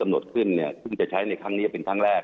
งานสำหรับที่สำนวดขึ้นจะใช้ในทางนี้เป็นทางแรก